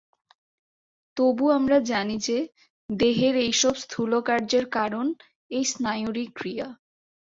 তবু আমরা জানি যে, দেহের এইসব স্থূল কার্যের কারণ এই স্নায়ুরই ক্রিয়া।